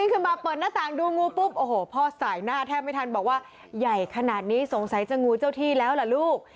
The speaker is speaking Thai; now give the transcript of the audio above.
ขึ้นมาเปิดหน้าต่างดูงูปุ๊บโอ้โหพ่อสายหน้าแทบไม่ทันบอกว่าใหญ่ขนาดนี้สงสัยจะงูเจ้าที่แล้วล่ะลูก